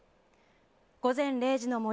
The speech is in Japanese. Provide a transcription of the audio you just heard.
「午前０時の森」